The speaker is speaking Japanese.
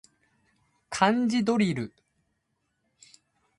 漢字ドリル